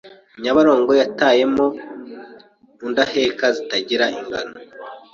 Nyabarongo yataemo undaheka zitagira ingano